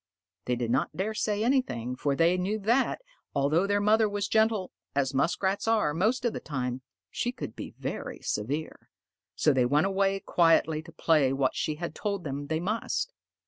They did not dare say anything, for they knew that, although their mother was gentle, as Muskrats are most of the time, she could be very severe. So they went away quietly to play what she had told them they must.